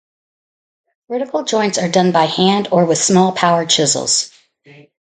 Vertical joints are done by hand or with small power chisels.